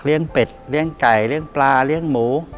เป็ดเลี้ยงไก่เลี้ยงปลาเลี้ยงหมู